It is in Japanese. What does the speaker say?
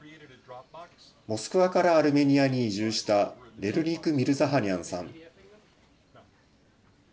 モスクワからアルメニアに移住したレルニク・ミルザハニャンさん。